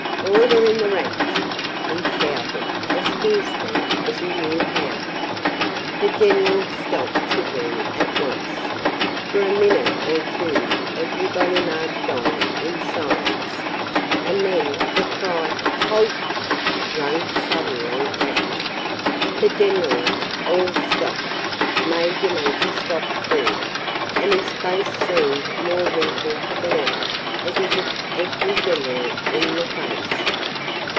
"Order in the ranks!" he shouted as fiercely as he knew how. The generals stopped tittering at once. For a minute or two everybody marched on in silence. And then the cry, "Halt!" rang suddenly out. The generals all stopped. Major Monkey stopped, too. And his face seemed more wrinkled than ever as he looked every general in the face.